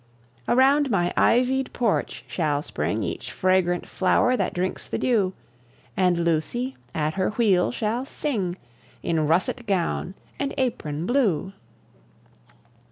Around my ivied porch shall spring Each fragrant flower that drinks the dew; And Lucy, at her wheel, shall sing In russet gown and apron blue.